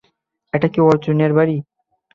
এটা কি অর্জুনের বাড়ি?